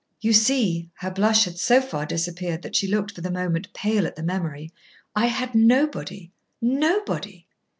You see," her blush had so far disappeared that she looked for the moment pale at the memory, "I had nobody nobody."